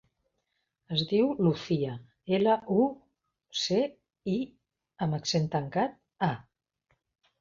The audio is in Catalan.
Es diu Lucía: ela, u, ce, i amb accent tancat, a.